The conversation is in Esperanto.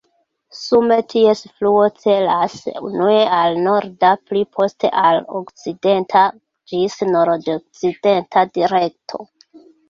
Sume ties fluo celas unue al norda, pli poste al okcidenta ĝis nordokcidenta direkto.